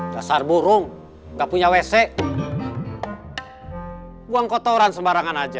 dasar burung gak punya wc buang kotoran sembarangan aja